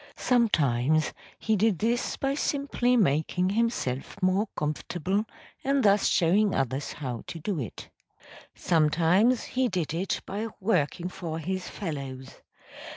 Sometimes he did this by simply making himself more comfortable and thus showing others how to do it; sometimes he did it by working for his fellows.